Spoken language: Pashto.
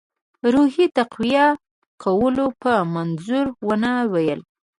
روحیې د تقویه کولو په منظور ونه ویل.